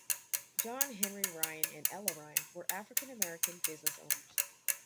John Henry Ryan and Ella Ryan were African American business owners.